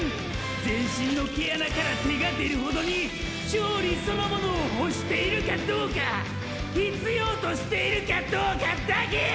全身の毛穴から手が出るほどに「勝利」そのものを欲しているかどうか必要としているかどうかだけや！！